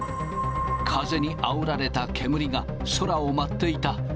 風にあおられた煙が空を舞っていた。